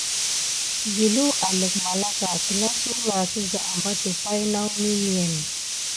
Zilelou alik malaka tila zula sisa aɓeti pay na munilin.